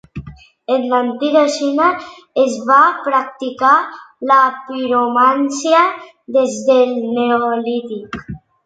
En l'antiga Xina es va practicar la piromància des del neolític.